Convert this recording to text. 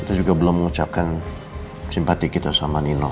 kita juga belum mengucapkan simpati kita sama nino